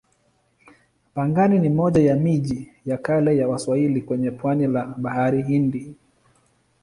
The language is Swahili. Pangani ni moja ya miji ya kale ya Waswahili kwenye pwani la Bahari Hindi.